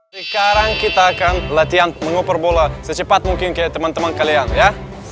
sekarang kita akan latihan mengukur bola secepat mungkin ke teman teman kalian ya